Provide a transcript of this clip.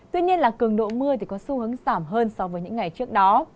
tuy nhiên là cường độ mưa có xu hướng giảm hơn so với những ngày trước đó